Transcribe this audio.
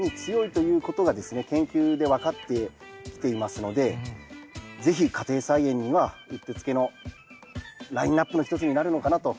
研究で分かってきていますので是非家庭菜園にはうってつけのラインナップの一つになるのかなと思っています。